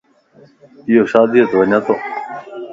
يو شاديءَ تَ وڃتو